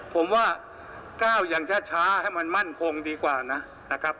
ผมว่าก้าวอย่างช้าให้มันมั่นคงดีกว่านะครับ